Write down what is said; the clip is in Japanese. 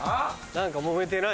・何かもめてない？